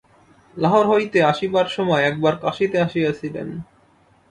লাহোর হইতে আসিবার সময় একবার কাশীতে আসিয়াছিলেন।